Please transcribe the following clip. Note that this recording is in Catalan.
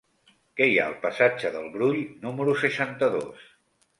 Què hi ha al passatge del Brull número seixanta-dos?